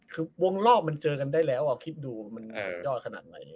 คือวงรอบมันเจอกันได้แล้วคิดดูมันสุดยอดขนาดไหน